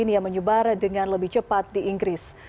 yang menyebar dengan lebih cepat di inggris